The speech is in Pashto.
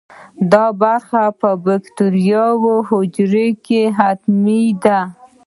دا برخه په باکتریايي حجره کې حتمي ده.